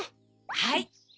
はい。